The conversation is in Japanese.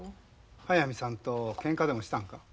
速水さんとけんかでもしたんか？